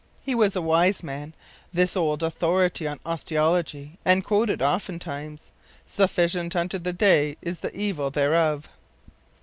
He was a wise man, this old authority on osteology, and quoted oftentimes, “Sufficient unto the day is the evil thereof.